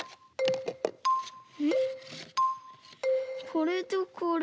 これとこれ。